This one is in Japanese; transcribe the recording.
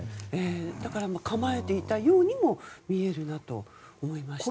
だから、構えていたようにも見えるなと思いました。